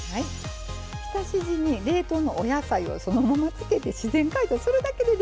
浸し地に冷凍のお野菜をそのままつけて自然解凍するだけでできるんですよ。